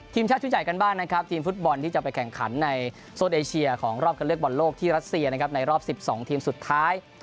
ชาติชุดใหญ่กันบ้างนะครับทีมฟุตบอลที่จะไปแข่งขันในโซนเอเชียของรอบคันเลือกบอลโลกที่รัสเซียนะครับในรอบ๑๒ทีมสุดท้าย